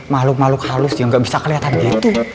makhluk makhluk halus yang gak bisa keliatan gitu